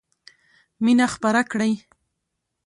مینه خپره کړئ!